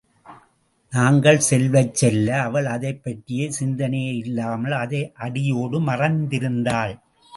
நாள்கள் செல்வச் செல்ல, அவள் அதைப் பற்றிய சிந்தனையே இல்லாமல், அதை அடியோடு மறந்திருந்தாள்.